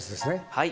はい。